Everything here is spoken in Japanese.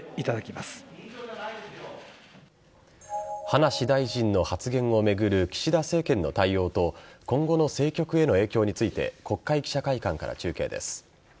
葉梨大臣の発言を巡る岸田政権の対応と今後の政局への影響について国会記者会館から中継です。